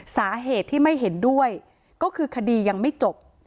สาเหตุที่ไม่เห็นด้วยก็คือคดียังไม่จบ